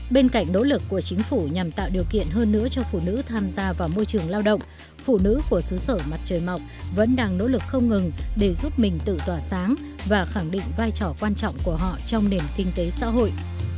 bên cạnh nỗ lực của chính phủ nhằm tạo điều kiện hơn nữa cho phụ nữ tham gia vào môi trường lao động phụ nữ của xứ sở mặt trời mọc vẫn đang nỗ lực không ngừng để giúp mình tự tỏa sáng và khẳng định vai trò quan trọng của họ trong nền kinh tế xã hội